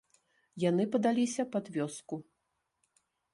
Яны падаліся пад вёску.